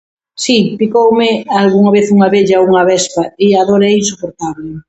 Si, picoume alguna vez unha abella, unha avespa, i a dor é insoportable.